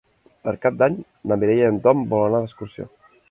Per Cap d'Any na Mireia i en Tom volen anar d'excursió.